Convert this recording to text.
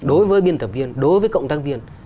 đối với biên tập viên đối với cộng tác viên